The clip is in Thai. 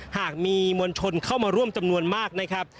หากมีมวลชนเข้ามาร่วมจำนวนมากนะครับ